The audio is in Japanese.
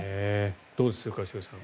どうですか、一茂さん。